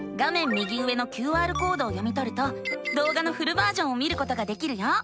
右上のＱＲコードを読みとるとどうがのフルバージョンを見ることができるよ。